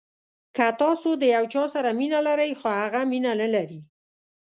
که تاسو د یو چا سره مینه لرئ خو هغه مینه نلري.